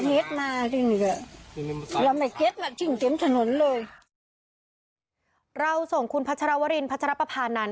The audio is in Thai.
เราไม่เท็จมาเตรียมถนนเลยเราส่งคุณพัชราวรินพัชรประพานัน